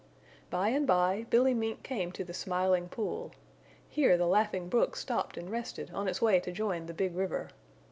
By and by Billy Mink came to the Smiling Pool. Here the Laughing Brook stopped and rested on its way to join the Big River.